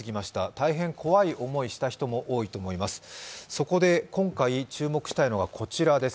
大変怖い思いした人も多いと思います。